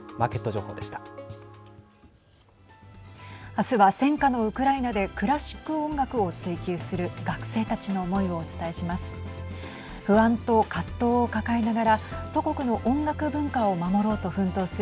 あすは、戦火のウクライナでクラシック音楽を追求する学生たちの思いをお伝えします。